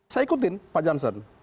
saya ikutin pak jansen